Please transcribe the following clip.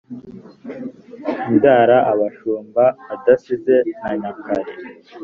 I Ndara Abashumba adasize na Nyakare